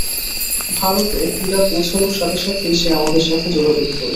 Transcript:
ভারতে হীরা পৌঁছানোর সাথে সাথেই সে আমাদের সাথে যোগাযোগ করবে।